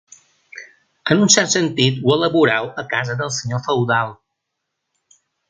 En un cert sentit, ho elaboreu a casa del senyor feudal.